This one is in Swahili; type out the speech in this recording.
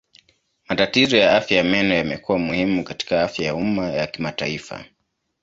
Matatizo ya afya ya meno yamekuwa muhimu katika afya ya umma ya kimataifa.